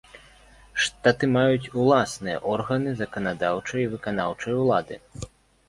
Штаты маюць уласныя органы заканадаўчай і выканаўчай улады.